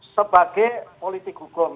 sebagai politik hukum